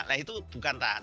nah itu bukan tahan